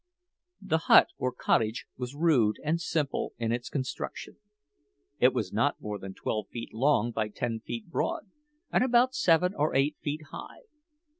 The hut or cottage was rude and simple in its construction. It was not more than twelve feet long by ten feet broad, and about seven or eight feet high.